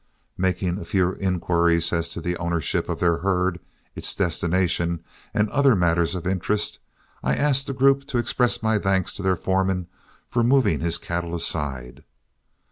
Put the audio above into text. Making a few inquiries as to the ownership of their herd, its destination, and other matters of interest, I asked the group to express my thanks to their foreman for moving his cattle aside.